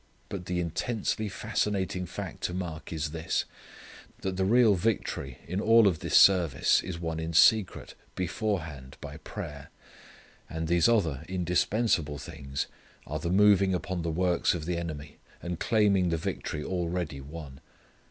But the intensely fascinating fact to mark is this: that the real victory in all of this service is won in secret, beforehand, by prayer, and these other indispensable things are the moving upon the works of the enemy, and claiming the victory already won.